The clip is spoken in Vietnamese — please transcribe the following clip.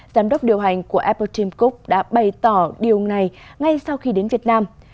giám đốc điều hành của apple team cook đã bày tỏ điều này ngay sau khi đến việt nam